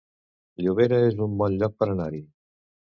Llobera es un bon lloc per anar-hi